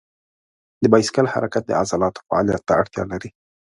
د بایسکل حرکت د عضلاتو فعالیت ته اړتیا لري.